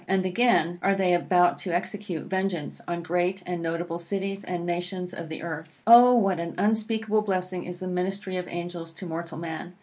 And again are they about to execute vengeance on great and notable cities and nations of the earth. O what an unspeakable blessing is the ministry of angels to mortal man!